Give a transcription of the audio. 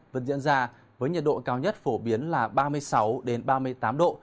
vẫn diễn ra với nhiệt độ cao nhất phổ biến là ba mươi sáu ba mươi tám độ